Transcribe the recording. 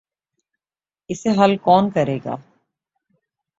اسے حل کون کرے گا؟